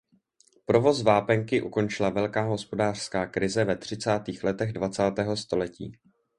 Provoz vápenky ukončila velká hospodářská krize ve třicátých letech dvacátého století.